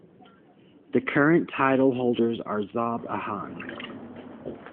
The current title holders are Zob Ahan.